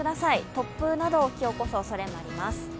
突風などを引き起こすおそれがあります。